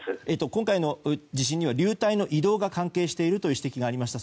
今回の地震には流体の移動が関係しているという指摘がありました。